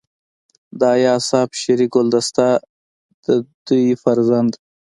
د اياز صيب شعري ګلدسته دَ دوي فرزند